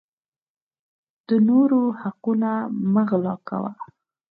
د نورو حقونه مه غلاء کوه